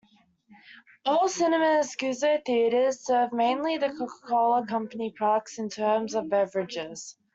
All Cinemas Guzzo theatres serve mainly The Coca-Cola Company products in terms of beverages.